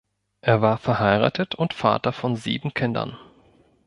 Er war verheiratet und Vater von sieben Kindern.